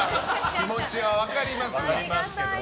気持ちは分かりますが。